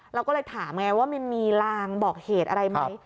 เราก็เลยถามไงว่ามันมีลางบอกเหตุอะไรไหม